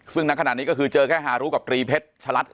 ซึ่งนักขณะนี้ก็คือเจอแค่ฮารุกับตรีเพชรชะลัด